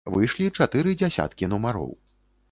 Выйшлі чатыры дзясяткі нумароў.